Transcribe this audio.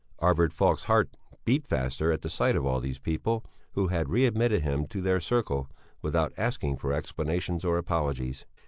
Arvid Falk's heart beat faster at the sight of all these people who had readmitted him to their circle without asking for explanations or apologies.